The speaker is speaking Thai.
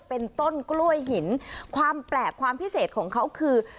เป็นต้นกล้วยหินความแปลกความพิเศษของเขาคือ